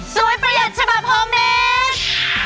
สวยประหยัดฉบับโฮเมต